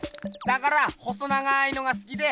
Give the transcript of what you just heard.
だから細長いのがすきで。